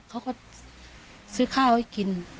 เขาก็ซื้อข้าวให้กิน